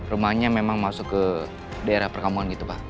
rumahnya memang masuk ke daerah perkamuan gitu pak